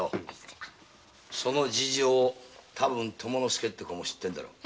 その事情を多分友之助って子も知ってるだろう。